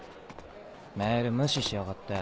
メール無視しやがって。